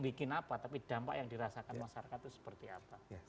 bikin apa tapi dampak yang dirasakan masyarakat itu seperti apa